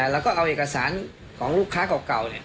แล้วก็เอาเอกสารของลูกค้าเก่า